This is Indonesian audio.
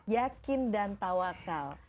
yakin dan tawakal